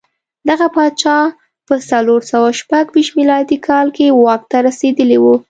دغه پاچا په څلور سوه شپږ ویشت میلادي کال کې واک ته رسېدلی و.